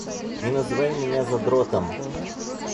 Не называй меня задротом!